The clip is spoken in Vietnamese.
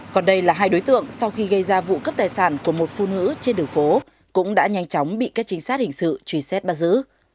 còn đây là hai đối tượng sau khi gây ra vụ cướp tài sản của một phụ nữ trên đường phố cũng đã nhanh chóng bị các trinh sát hình sự truy xét bắt giữ